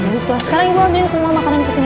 teruslah sekarang ibu bantuin semua makanan kesini